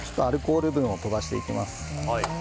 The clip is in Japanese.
アルコール分を飛ばしていきます。